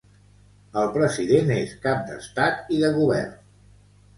El president és cap d'estat i de govern.